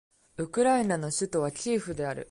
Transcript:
ウクライナの首都はキエフである